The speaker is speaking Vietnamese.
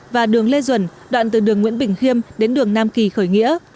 và đường lê duẩn đoạn từ đường nguyễn bình khiêm đến đường nam kỳ khởi nghĩa